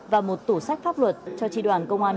và một tủ sách pháp luật cho tri đoàn công an